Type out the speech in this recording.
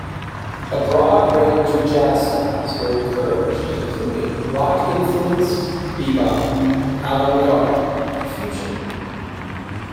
A broad range of jazz styles were encouraged including rock-influenced, bebop, avant-garde to fusion.